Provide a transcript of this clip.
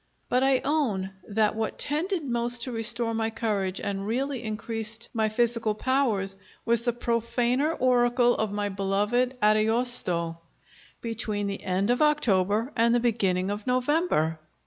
But I own that what tended most to restore my courage, and really increased my physical powers, was the profaner oracle of my beloved Ariosto: "Between the end of October and the beginning of November."